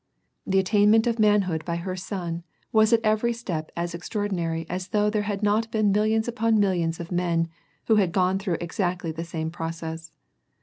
The attain ment of manhood by her son was at every step as extraordi nary as though there had not been millions u])on millions of men who had gone through exactly the same process.